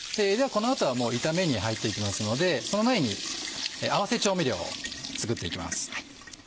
この後は炒めに入って行きますのでその前に合わせ調味料を作って行きます。